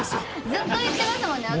ずっと言ってましたもんね